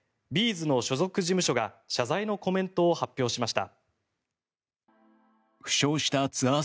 ’ｚの所属事務所が謝罪のコメントを発表しました。